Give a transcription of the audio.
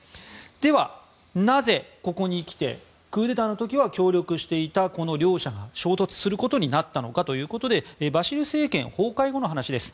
ではなぜ、ここに来てクーデターの時は協力していた両者が衝突することになったのかということでバシル政権崩壊後の話です。